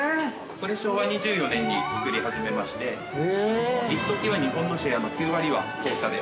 ◆これ、昭和２４年に作り初めまして、一時は日本のシェアの９割は当社で。